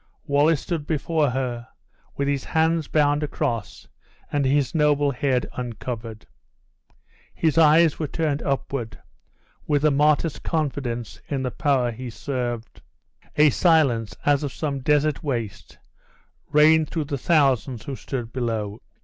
Wallace stood before her, with his hands bound across and his noble head uncovered. His eyes were turned upward, with a martyr's confidence in the Power he served. A silence, as of some desert waste, reigned throughout the thousands who stood below.